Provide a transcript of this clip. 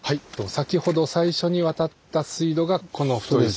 先ほど最初に渡った水路がこの太い水路ですね。